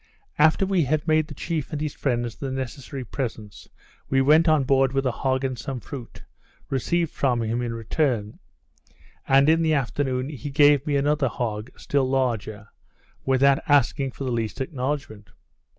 After we had made the chief and his friends the necessary presents, we went on board with a hog, and some fruit, received from him in return; and in the afternoon he gave me another hog, still larger, without asking for the least acknowledgment.